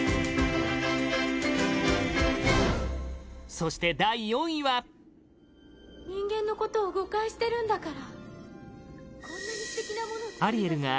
そして、第４位はアリエル：人間のことを誤解してるんだから。